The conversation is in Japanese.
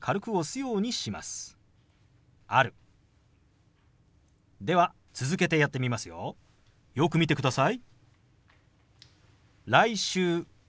よく見てください。